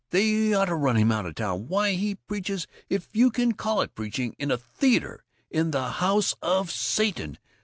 They ought to run him out of town! Why, he preaches if you can call it preaching in a theater, in the House of Satan!